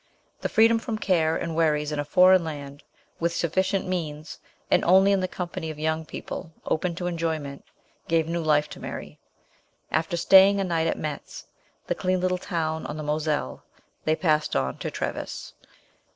The freedom from care and worries in a foreign land, with sufficient means, and only in the company of young people open to enjoyment, gave new life to Mary. After staying a night at Metz, the clean little town on the Moselle, they passed on to Treves.